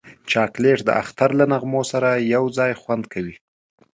چاکلېټ د اختر له نغمو سره یو ځای خوند کوي.